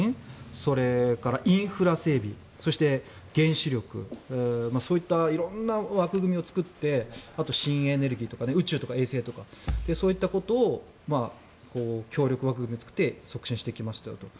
それからインフラ整備そして、原子力そういった色んな枠組みを作ってあと、新エネルギーとか宇宙とか衛星とかそういったことを協力枠組みを作って促進していきますと。